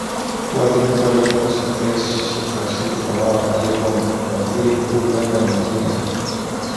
kuwa waziri mkuu alikuwa Mzee Rashid Kawawa aliyekuwa Waziri Mkuu miaka ya mwanzoni ya